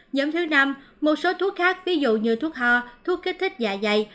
nhóm thứ năm một số thuốc khác ví dụ như thuốc ho thuốc kích thích dạ dày